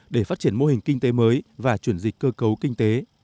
để phát triển mô hình kinh tế mới và chuyển dịch cơ cấu kinh tế